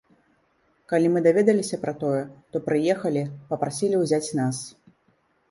Калі мы даведаліся пра тое, то прыехалі, папрасілі ўзяць нас.